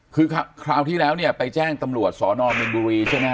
คือคราวที่แล้วไปแจ้งตำรวจสนบินบุรีใช่ไหมคะ